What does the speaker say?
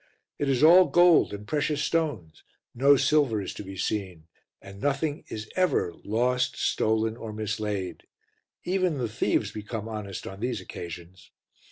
It is all gold and precious stones, no silver is to be seen, and nothing is ever lost, stolen, or mislaid; even the thieves become honest on these occasions.